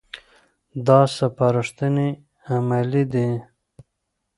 دا سپارښتنې عملي دي.